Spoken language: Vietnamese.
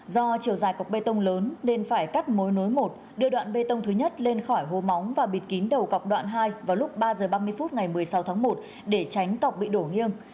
do chiều dài cọc bê tông lớn nên phải cắt mối nối một đưa đoạn bê tông thứ nhất lên khỏi hố móng và bịt kín đầu cọc đoạn hai vào lúc ba h ba mươi phút ngày một mươi sáu tháng một để tránh cọc bị đổ nghiêng